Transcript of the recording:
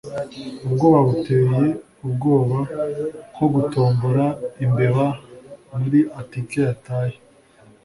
Ubwoba buteye ubwoba nko gutombora imbeba muri atike yataye